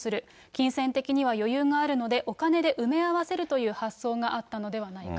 金銭的には余裕があるので、お金で埋め合わせるという発想があったのではないか。